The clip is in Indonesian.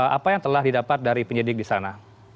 apa yang telah didapat dari penyidik di sana